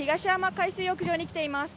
海水浴場に来ています。